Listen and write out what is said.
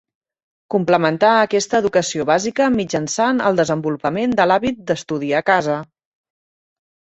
Complementà aquesta educació bàsica mitjançant el desenvolupament de l'hàbit d'estudi a casa.